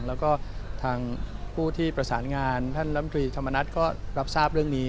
แล้วก็ทางผู้ที่ประสานงานท่านลำตรีธรรมนัฐก็รับทราบเรื่องนี้